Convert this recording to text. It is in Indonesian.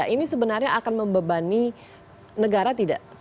ini sebenarnya akan membebani negara tidak